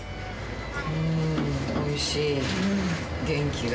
うーん、おいしい。